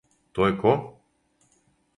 То је ко?